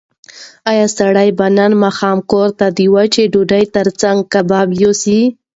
ایا سړی به نن ماښام کور ته د وچې ډوډۍ تر څنګ کباب یوسي؟